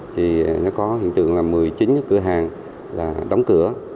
thì nó có hiện tượng là một mươi chín cái cửa hàng là đóng cửa